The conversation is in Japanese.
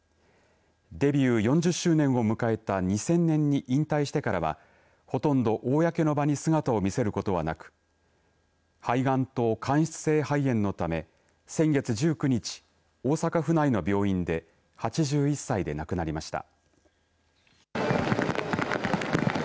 デビュー４０周年を迎えた２０００年に引退してからはほとんど公の場に姿を見せることはなく肺がんと間質性肺炎のため先月１９日、大阪府内の病院で８１歳で亡くなりました。